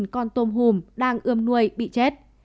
bảy trăm chín mươi con tôm hùm đang ươm nuôi bị chết